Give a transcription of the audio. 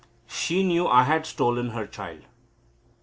She knew I had stolen her child."